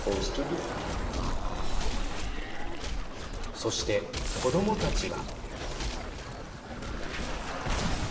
そして子どもたちは。